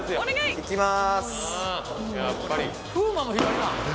行きます。